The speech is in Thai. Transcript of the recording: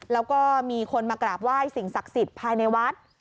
แล้วก็มีคนมากราบไหว้สิ่งศักดิ์สิทธิ์ภายในวัด